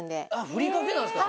ふりかけなんですか。